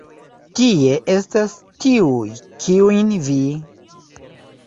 Tie estas tiuj, kiujn vi?